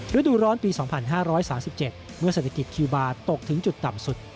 ฤดูร้อนปี๒๕๓๗เมื่อเศรษฐกิจคิวบาร์ตกถึงจุดต่ำสุด